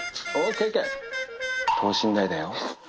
等身大だよ。